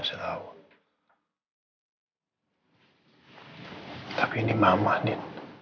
selalu tapi ini mama di